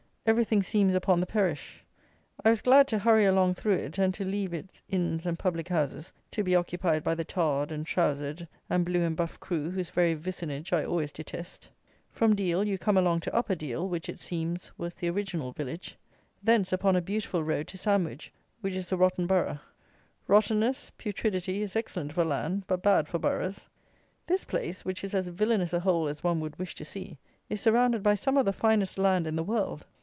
Everything seems upon the perish. I was glad to hurry along through it, and to leave its inns and public houses to be occupied by the tarred, and trowsered, and blue and buff crew whose very vicinage I always detest. From Deal you come along to Upper Deal, which, it seems, was the original village; thence upon a beautiful road to Sandwich, which is a rotten Borough. Rottenness, putridity is excellent for land, but bad for Boroughs. This place, which is as villanous a hole as one would wish to see, is surrounded by some of the finest land in the world.